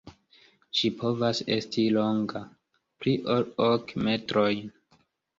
Ĝi povas esti longa pli ol ok metrojn.